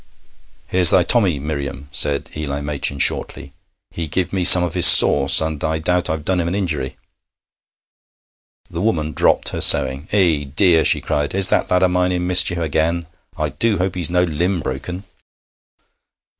'Here's thy Tommy, Miriam,' said Eli Machin shortly. 'He give me some of his sauce, and I doubt I've done him an injury.' The woman dropped her sewing. 'Eh, dear!' she cried, 'is that lad o' mine in mischief again? I do hope he's no limb brokken.'